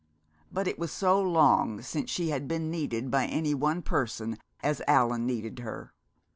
But it was so long since she had been needed by any one person as Allan needed her!